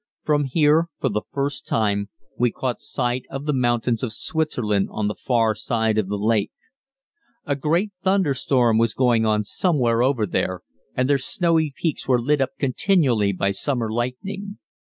From here, for the first time, we caught sight of the mountains of Switzerland on the far side of the lake. A great thunderstorm was going on somewhere over there, and their snowy peaks were lit up continually by summer lightning.